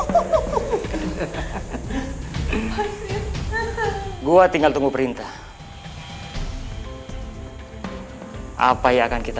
lalu lo mau tau siapa dia